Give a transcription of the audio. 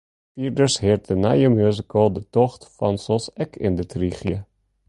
Fierders heart de nije musical ‘De Tocht’ fansels ek yn dit rychje.